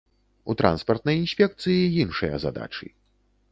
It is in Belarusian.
У транспартнай інспекцыі іншыя задачы.